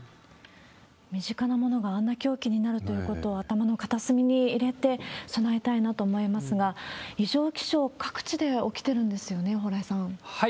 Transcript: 身近なものがあんな凶器になるということを、頭の片隅に入れて、備えたいなと思いますが、異常気象、各地で起きてるんですよね、蓬莱さん。